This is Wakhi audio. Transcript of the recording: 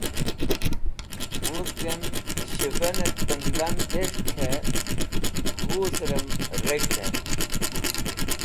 wudg'em shuven'et pundan dez̃hd k̃ha g̃huz'rem reg̃hd'ey